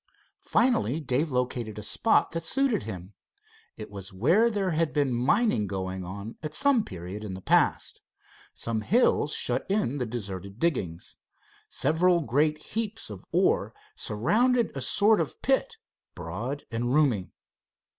Finally Dave located a spot that suited him. It was where there had been mining going on some period in the past. Some hills shut in the deserted diggings. Several great heaps of ore surrounded a sort of pit, broad and roomy.